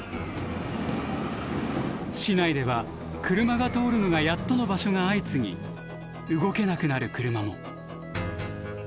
市内では車が通るのがやっとの場所が相次ぎ動けなくなる車も。